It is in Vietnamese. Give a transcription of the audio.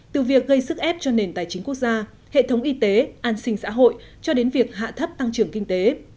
từ việc gây sức ép cho nền tài chính quốc gia hệ thống y tế an sinh xã hội cho đến việc hạ thấp tăng trưởng kinh tế